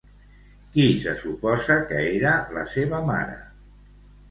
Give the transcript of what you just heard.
Qui se suposa que era la seva mare?